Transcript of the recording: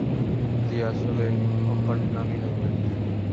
জি, আসলে, কোম্পানির নামই হেলমেট।